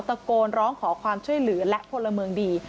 ตะโกนร้องขอความช่วยเหลือและพลเมืองดี